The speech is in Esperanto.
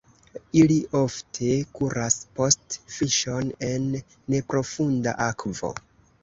Ili ofte kuras post fiŝon en neprofunda akvo.